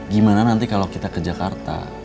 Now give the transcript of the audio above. gimana nanti kalau kita ke jakarta